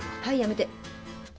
はいやめて。